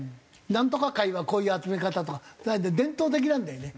ナントカ会はこういう集め方とか伝統的なんだよね。